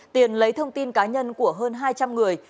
tiền lấy thông tin cá nhân của hơn hai trăm linh người